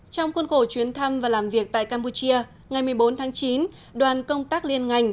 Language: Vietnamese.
trong khuôn khổ chuyến thăm và làm việc tại campuchia ngày một mươi bốn tháng chín